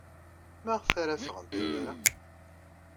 Maɣef ara ffɣent imir-a?